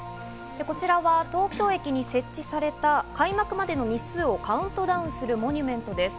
こちらは東京駅に設置された開幕までの日数をカウントダウンするモニュメントです。